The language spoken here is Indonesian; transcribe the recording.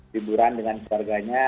liburan dengan keluarganya